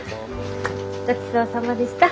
ごちそうさまでした！